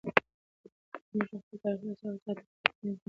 که موږ خپل تاریخي اثار وساتو نو راتلونکی نسل به پرې ویاړي.